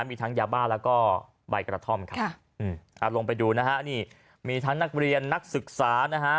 มีทั้งยาบ้าแล้วก็ใบกระท่อมครับเอาลงไปดูนะฮะนี่มีทั้งนักเรียนนักศึกษานะฮะ